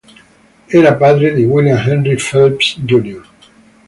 Era padre di William Henry Phelps Jr.